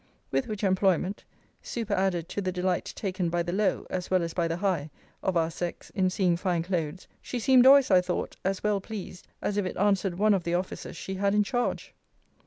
With which employment (superadded to the delight taken by the low as well as by the high of our sex in seeing fine cloaths) she seemed always, I thought, as well pleased as if it answered one of the offices she had in charge.